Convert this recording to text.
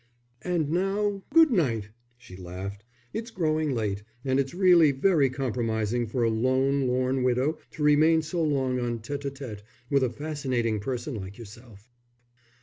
"And now good night," she laughed. "It's growing late, and it's really very compromising for a lone, lorn widow to remain so long en tête à tête with a fascinating person like yourself."